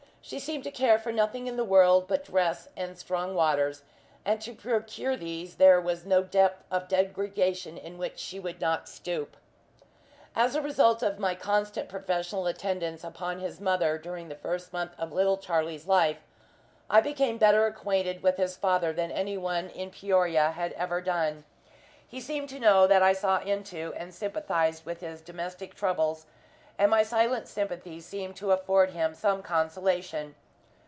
She seemed to care for nothing in the world but dress and strong waters; and to procure these there was no depth of degradation to which she would not stoop. As a result of my constant professional attendance upon his mother during the first month of little Charlie's life, I became better acquainted with his father than anyone in Peoria had ever done. He seemed to know that I saw into and sympathized with his domestic troubles, and my silent sympathy seemed to afford him some consolation.